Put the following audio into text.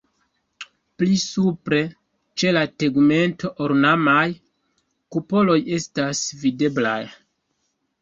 Pli supre ĉe la tegmento ornamaj kupoloj estas videblaj.